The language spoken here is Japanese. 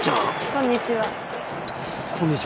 こんにちは。